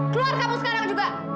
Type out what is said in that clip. keluar kamu sekarang juga